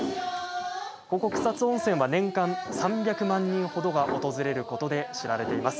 ここ草津温泉は年間３００万人ほどが訪れることで知られています。